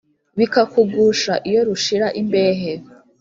bikakugusha iyo rushira imbehe